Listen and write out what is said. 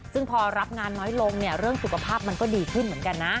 ซึ่งพอรับงานน้อยลงเนี่ยเรื่องสุขภาพมันก็ดีขึ้นเหมือนกันนะ